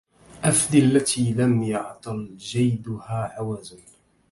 أفدي التي لم يعطل جيدها عوز